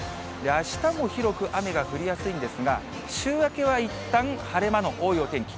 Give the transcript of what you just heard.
あしたも広く雨が降りやすいんですが、週明けはいったん晴れ間の多いお天気。